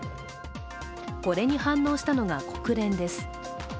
これに反応したのが国連です。